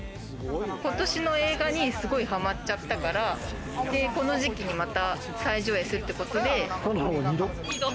今年の映画にすごいはまっちゃったから、この時期に再上映するっていうことで。